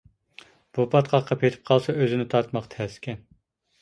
بۇ پاتقاققا پېتىپ قالسا ئۆزىنى تارتماق تەسكەن.